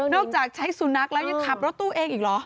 จากใช้สุนัขแล้วยังขับรถตู้เองอีกเหรอ